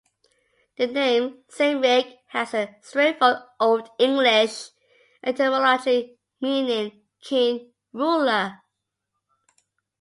The name Cynric has a straightforward Old English etymology meaning Kin-ruler.